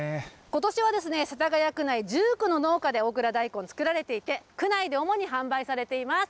ことしは世田谷区内１９の農家で大蔵大根、作られていて、区内で主に販売されています。